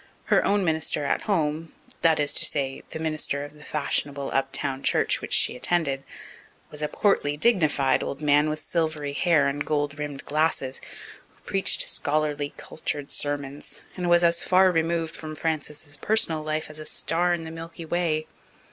Her own minister at home that is to say, the minister of the fashionable uptown church which she attended was a portly, dignified old man with silvery hair and gold rimmed glasses, who preached scholarly, cultured sermons and was as far removed from Frances's personal life as a star in the Milky Way.